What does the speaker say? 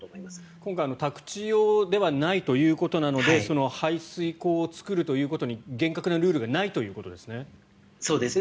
今回、宅地用ではないということなので排水溝を作るということに厳格なルールがないということですね。